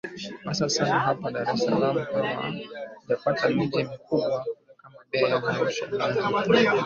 hasa sana hapa dar es salaam hawajapata miji mikubwa kama beya arusha mwanza